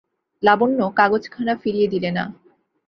লাবণ্য কাগজখানা ফিরিয়ে দিলে না।